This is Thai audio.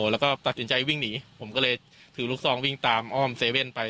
แล้วก็ตัดสินใจวิ่งหนีผมก็เลยถือลูกซองวิ่งตามอ้อมเซเว่นไป